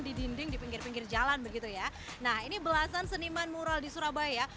di dinding di pinggir pinggir jalan begitu ya nah ini belasan seniman mural di surabaya